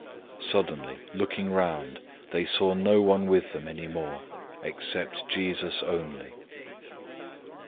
009:008 Suddenly looking around, they saw no one with them any more, except Jesus only.